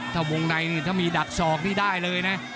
ถ้าวงในนี่ถ้ามีดักศอกนี่ได้เลยนะ